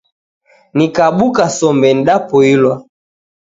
Nikabuka sombe nidapoilwa.